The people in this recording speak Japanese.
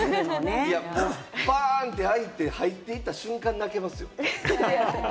パン！って開いて、入っていた瞬間、泣けますよ。